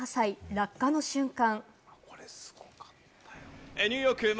落下の瞬間。